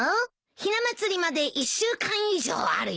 ひな祭りまで１週間以上あるよ。